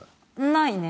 ないね。